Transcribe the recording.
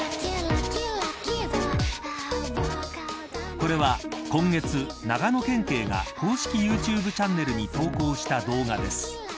これは今月、長野県警が公式ユーチューブチャンネルに投稿した動画です。